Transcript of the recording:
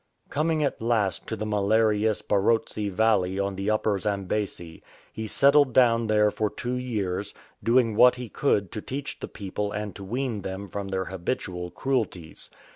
Coming at last to the malarious Barotse Valley on the Upper Zambesi, he settled down there for two years, doing what he could to teach the people and to wean them from their habitual cruelties.